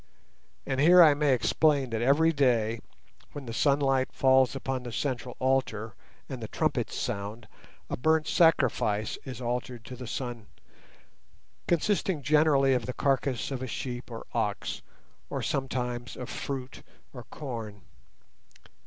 And here I may explain that every day, when the sunlight falls upon the central altar, and the trumpets sound, a burnt sacrifice is offered to the Sun, consisting generally of the carcase of a sheep or ox, or sometimes of fruit or corn.